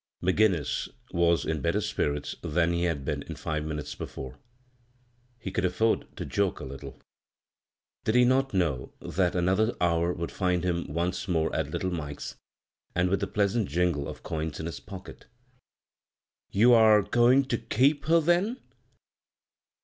McGinnis .was in better spirits than he had been in five minutes before. He could af ford to joke a little. Did he not know that an other hour would find him once more at Ut de Mike's, and with the pleasant jingle of coins in his pocket? " You are goin* ter keep her then